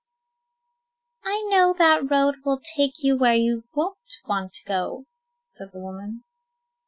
"I know that road will take you where you won't want to go," said the woman.